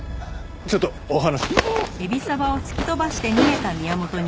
ちょっとお話。